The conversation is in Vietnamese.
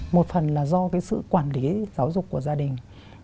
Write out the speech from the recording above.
một phần là do cái sự quản lý giáo dục của gia đình